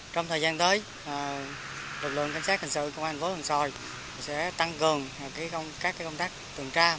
trong thời gian tới lực lượng cảnh sát cảnh sự công an vũ thuận xoài sẽ tăng gần các công tác tường tra